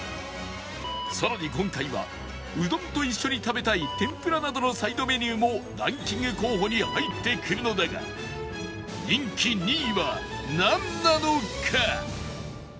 さらに今回はうどんと一緒に食べたい天ぷらなどのサイドメニューもランキング候補に入ってくるのだが人気２位はなんなのか？